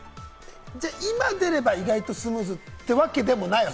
じゃあ今、出れば、意外とスムーズってわけでもない？